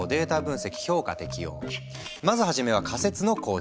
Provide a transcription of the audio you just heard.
まず初めは仮説の構築。